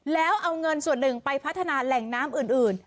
แล้วเอาเงินส่วนหนึ่งไปพัฒนาแหล่งน้ำอื่น